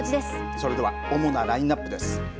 それでは主なラインアップです。